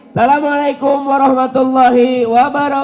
assalamualaikum warahmatullahi wabarakatuh